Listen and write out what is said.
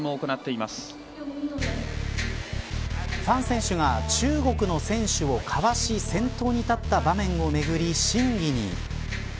ファン選手が中国の選手をかわし先頭に立った場面をめぐり審議に。